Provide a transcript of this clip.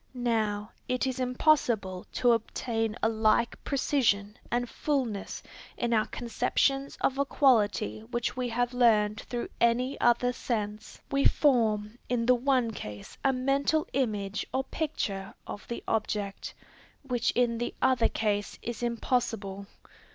Now, it is impossible to obtain a like precision and fulness in our conceptions of a quality which we have learned through any other sense. We form in the one case a mental image or picture of the object, which in the other case is impossible.